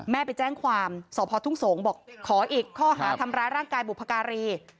ไปแจ้งความสพทุ่งสงศ์บอกขออีกข้อหาทำร้ายร่างกายบุพการี